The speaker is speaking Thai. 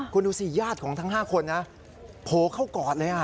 คุณดูสิญาติของทั้ง๕คนนะโผล่เข้ากอดเลย